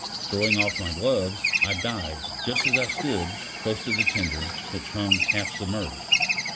Throwing off my gloves, I dived, just as I stood, close to the tender, which hung half submerged.